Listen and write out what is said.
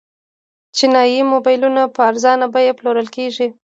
چینايي موبایلونه په ارزانه بیه پلورل کیږي.